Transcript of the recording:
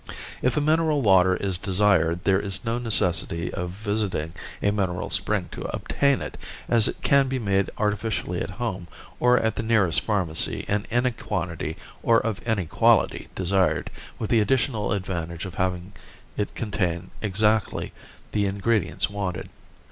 If a mineral water is desired there is no necessity of visiting a mineral spring to obtain it, as it can be made artificially at home or at the nearest pharmacy in any quantity or of any quality desired, with the additional advantage of having it contain exactly the ingredients wanted.